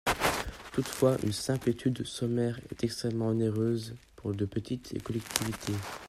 Toutefois, une simple étude sommaire est extrêmement onéreuse pour de petites collectivités.